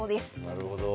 なるほど。